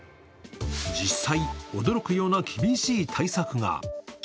実際、驚くような厳しい対策が。